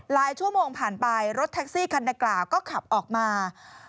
หลายชั่วโมงผ่านไปรถแท็กซี่คันในกราฟก็ขับออกมา